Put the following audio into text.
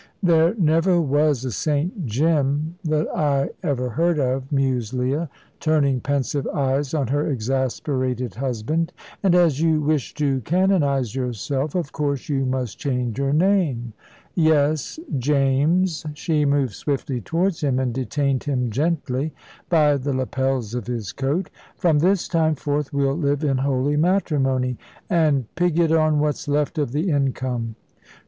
"There never was a St. Jim, that I ever heard of," mused Leah, turning pensive eyes on her exasperated husband, "and as you wish to canonise yourself, of course you must change your name. Yes, James" she moved swiftly towards him, and detained him gently by the lapels of his coat "from this time forth we'll live in holy matrimony, and pig it on what's left of the income.